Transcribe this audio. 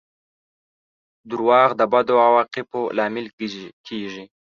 • دروغ د بدو عواقبو لامل کیږي.